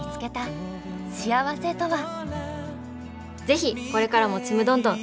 ぜひこれからも「ちむどんどん」